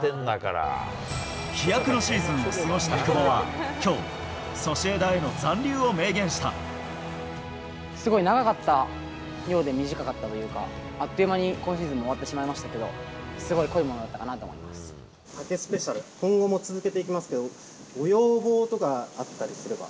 飛躍のシーズンを過ごした久保は、きょう、すごい長かったようで短かったというか、あっという間に今シーズンも終わってしまいましたけど、すごい濃ＴＡＫＥＳＰＥＣＩＡＬ、今後も続けていきますけど、ご要望とかあったりすれば。